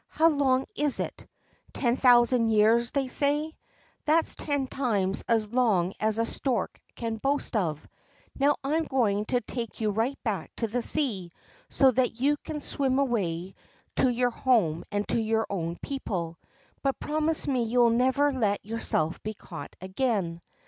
How long is it ? Ten thousand years, they say ; that 's ten times as long as a stork can boast of. Now I 'm going to take you right back to the sea, so that you can swim away to your 146 U RASH I MA TARO home and to your own people. But promise me you will never let yourself be caught again.'